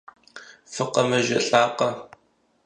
ФыкъэмэжэлӀакъэ?